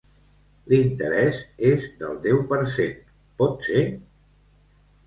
L'interès és del deu per cent, pot ser?